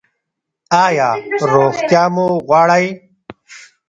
ایا روغتیا مو غواړئ؟